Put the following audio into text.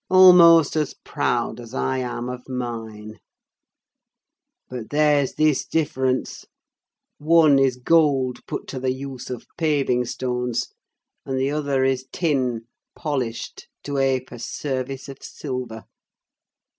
almost as proud as I am of mine. But there's this difference; one is gold put to the use of paving stones, and the other is tin polished to ape a service of silver.